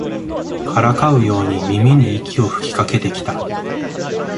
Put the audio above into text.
からかうように耳に息を吹きかけてきた